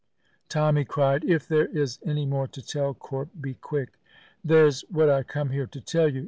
Tommy cried, "If there is any more to tell, Corp, be quick." "There's what I come here to tell you.